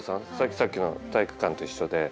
さっきの体育館と一緒で。